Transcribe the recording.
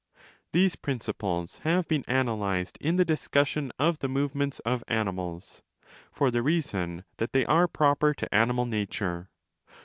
These principles have been analysed in the discussion of the movements of animals,! for the reason that they are proper to animal nature.